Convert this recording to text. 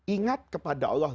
ingat kepada allah